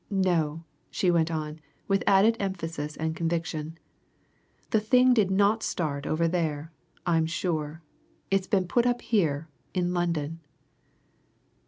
No!" she went on, with added emphasis and conviction. "The thing did not start over there, I'm sure. It's been put up here, in London."